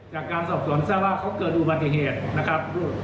จากการสอบสนแทรกว่าเขาเกิดอุบัติเหตุ